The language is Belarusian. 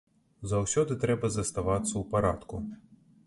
Заўсёды трэба заставацца ў парадку.